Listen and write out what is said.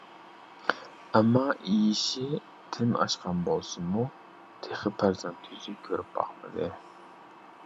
ئەمما، يېشى تىن ئاشقان بولسىمۇ، تېخى پەرزەنت يۈزى كۆرۈپ باقمىدى.